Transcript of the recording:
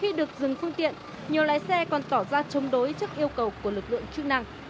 khi được dừng phương tiện nhiều lái xe còn tỏ ra chống đối trước yêu cầu của lực lượng chức năng